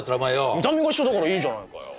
見た目が一緒だからいいじゃないかよ。